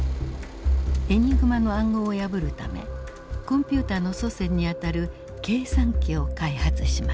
エニグマの暗号を破るためコンピューターの祖先にあたる計算機を開発します。